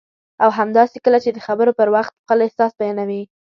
او همداسې کله چې د خبرو پر وخت خپل احساس بیانوي